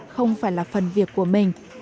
không phải là phần việc của mình